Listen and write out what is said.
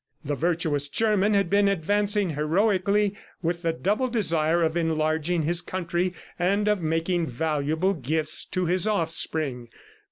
The virtuous German had been advancing heroically with the double desire of enlarging his country and of making valuable gifts to his offspring.